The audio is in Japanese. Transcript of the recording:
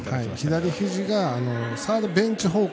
左肘がサードベンチ方向